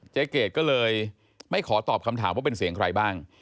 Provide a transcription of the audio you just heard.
เกรดก็เลยไม่ขอตอบคำถามว่าเป็นเสียงใครบ้าง